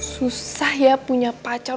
susah ya punya pacar